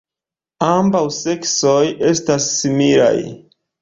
Ambaŭ seksoj estas similaj.